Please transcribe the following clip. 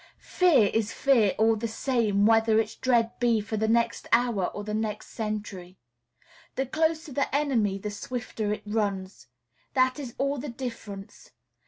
Fear is fear all the same whether its dread be for the next hour or the next century. The closer the enemy, the swifter it runs. That is all the difference.